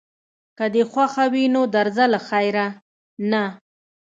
که دې خوښه وي نو درځه له خیره، نه.